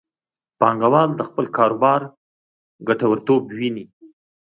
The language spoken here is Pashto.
پانګوال د خپل کاروبار ګټورتوب ویني.